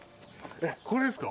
これですか？